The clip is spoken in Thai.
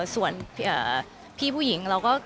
ส่วนพี่ผู้หญิงเราก็